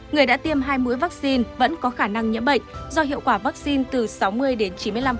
người đã tiêm hai mũi vaccine vẫn có khả năng nhiễm bệnh do hiệu quả vaccine từ sáu mươi đến chín mươi năm